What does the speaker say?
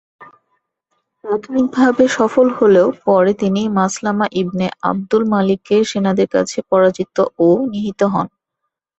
প্রাথমিকভাবে সফল হলেও পরে তিনি মাসলামা ইবনে আবদুল মালিকের সেনাদের কাছে পরাজিত ও নিহত হন।